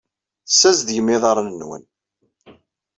Tessazedgem iḍarren-nwen.